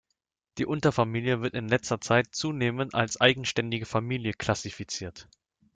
Die Unterfamilie wird in letzter Zeit zunehmend als eigenständige Familie klassifiziert.